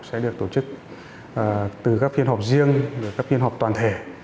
sẽ được tổ chức từ các phiên họp riêng các phiên họp toàn thể